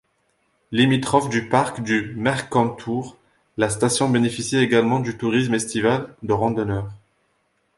Limitrophe du Parc du Mercantour, la station bénéficie également du tourisme estival de randonneurs.